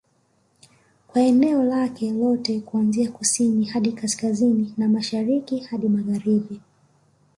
Kwa eneo lake lote kuanzia kusini hadi kaskazini na Mashariki hadi Magharibi